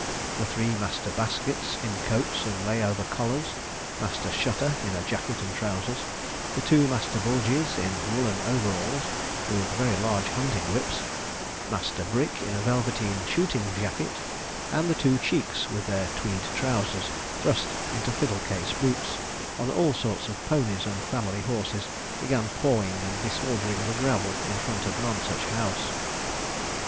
The three Master Baskets in coats and lay over collars, Master Shutter in a jacket and trousers, the two Master Bulgeys in woollen overalls with very large hunting whips, Master Brick in a velveteen shooting jacket, and the two Cheeks with their tweed trousers thrust into fiddle case boots, on all sorts of ponies and family horses, began pawing and disordering the gravel in front of Nonsuch House.